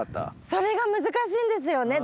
それが難しいんですよね。